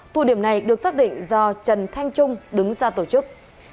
thu điểm này được xác định do trần thanh trung đứng ra tổ chức